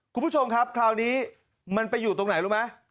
คุณผู้ชมครับคราวนี้มันไปอยู่ตรงไหนรู้ไหม